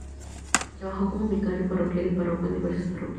Trabajo como Vicario parroquial y Párroco en diversas parroquias.